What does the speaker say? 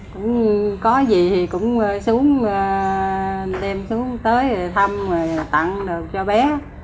cũng có gì thì cũng đem xuống tới thăm tặng đồ cho bé